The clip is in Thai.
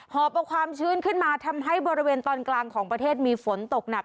อบเอาความชื้นขึ้นมาทำให้บริเวณตอนกลางของประเทศมีฝนตกหนัก